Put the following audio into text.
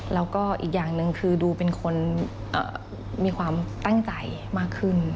แล้วก็อีกอย่างหนึ่งคือดูเป็นคนมีความตั้งใจมากขึ้น